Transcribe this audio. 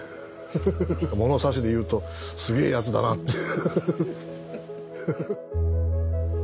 物差しで言うとすげえやつだなっていう。